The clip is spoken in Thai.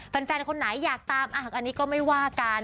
แฟนคนไหนอยากตามอันนี้ก็ไม่ว่ากัน